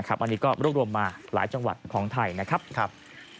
อันนี้ก็รวบรวมมาหลายจังหวัดของไทยนะครับ